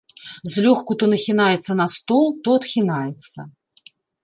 Злёгку то нахінаецца на стол, то адхінаецца.